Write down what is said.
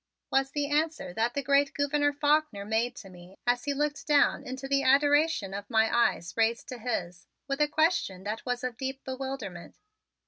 was the answer that the great Gouverneur Faulkner made to me as he looked down into the adoration of my eyes raised to his, with a question that was of deep bewilderment.